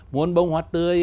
muốn bông hoa tươi